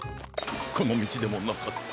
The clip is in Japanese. このみちでもなかった。